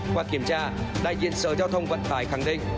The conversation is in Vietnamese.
qua kiểm tra đại diện sở giao thông vận tải khẳng định